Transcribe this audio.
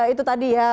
itu tadi ya